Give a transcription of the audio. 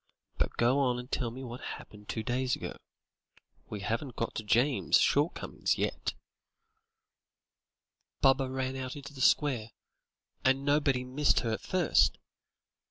But go on and tell me what happened two days ago. We haven't got to James's shortcomings yet." "Baba ran out into the square, and nobody missed her at first.